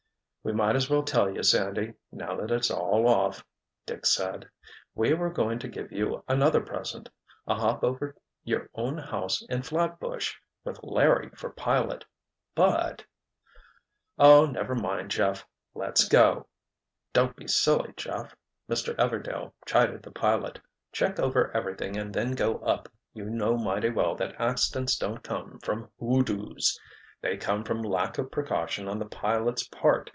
"We might as well tell you, Sandy, now that it's 'all off'," Dick said. "We were going to give you another present—a hop over your own house in Flatbush—with Larry for pilot! But——" "Oh, never mind Jeff. Let's go!" "Don't be silly, Jeff," Mr. Everdail chided the pilot. "Check over everything and then go up. You know mighty well that accidents don't come from 'hoodoos'. They come from lack of precaution on the pilot's part.